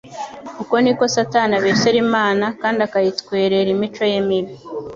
Uko niko Satani abeshyera Imana kandi akayitwerera imico ye mibi,